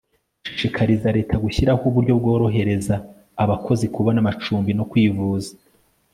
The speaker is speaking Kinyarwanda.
gushishikariza leta gushyiraho uburyo bworohereza abakozi kubona amacumbi no kwivuza